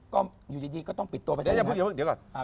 ก็อยู่ดีก็ต้องบินตัวไป